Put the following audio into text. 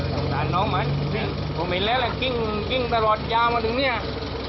น้องมันผมเห็นแล้วแหละกิ้งตลอดยาวมาถึงเนี่ย